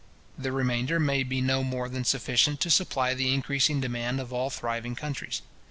The remainder may be no more than sufficient to supply the increasing demand of all thriving countries.